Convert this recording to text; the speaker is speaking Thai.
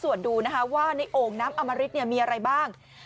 ว่าในโอ้งน้ำอมริตมีอะไรบ้าง